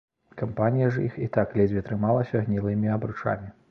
Кампанія ж іх і так ледзьве трымалася гнілымі абручамі.